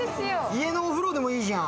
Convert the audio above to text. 家のお風呂でもいいじゃん。